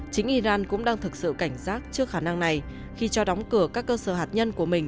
chính iran cũng đang thực sự cảnh giác trước khả năng này khi cho đóng cửa các cơ sở hạt nhân của mình